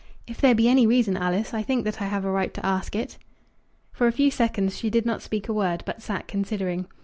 "If there be any reason, Alice, I think that I have a right to ask it." For a few seconds she did not speak a word, but sat considering.